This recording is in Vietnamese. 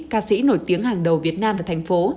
ca sĩ nổi tiếng hàng đầu việt nam và thành phố